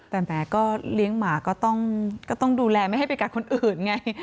แต่แม้ก็เลี้ยงหมาก็ต้องดูแลไม่ให้ไปกัดคนอื่นไง